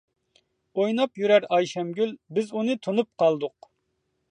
ئويناپ يۈرەر ئايشەمگۈل، بىز ئۇنى تونۇپ قالدۇق.